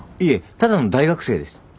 いえただの大学生です。